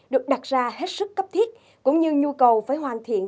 được đặt ra hết sức cấp thiết cũng như nhu cầu phải hoàn thiện